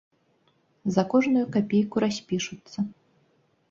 За кожную капейку распішуцца.